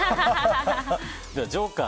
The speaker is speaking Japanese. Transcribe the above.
ではジョーカー。